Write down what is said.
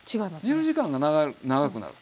煮る時間が長くなる。